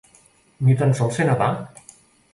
Ni tan sols sé nedar!